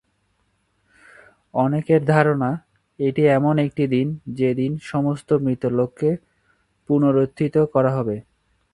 অনেকের ধারণা, এটি এমন একটি দিন যেদিন সমস্ত মৃত লোককে পুনরুত্থিত করা হবে।